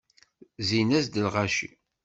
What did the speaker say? Zzin-as-d lɣaci.